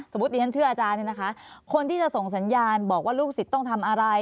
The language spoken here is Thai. ดิฉันเชื่ออาจารย์เนี่ยนะคะคนที่จะส่งสัญญาณบอกว่าลูกศิษย์ต้องทำอะไร